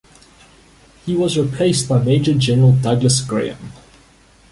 He was replaced by Major-General Douglas Graham.